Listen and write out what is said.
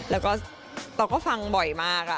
แล้วก็เราก็ฟังบ่อยมาก